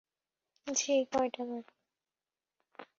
জ্বি কয়টা বাজে?